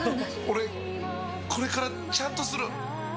俺、これからちゃんとする！